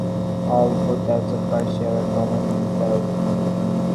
All four types of cards share a common layout.